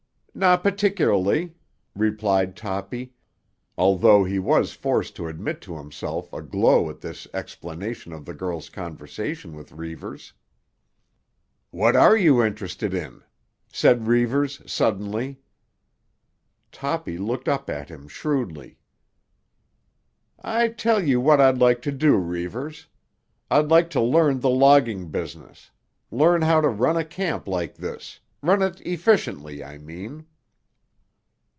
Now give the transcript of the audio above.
"Not particularly," replied Toppy, although he was forced to admit to himself a glow at this explanation of the girl's conversation with Reivers. "What are you interested in?" said Reivers suddenly. Toppy looked up at him shrewdly. "I tell you what I'd like to do, Reivers; I'd like to learn the logging business—learn how to run a camp like this—run it efficiently, I mean."